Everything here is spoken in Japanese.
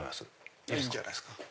いいんじゃないですか。